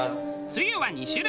つゆは２種類。